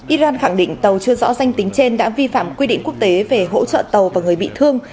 iran khẳng định tàu chưa rõ danh tính trên đã vi phạm quy định quốc tế về hỗ trợ tàu và người bị thương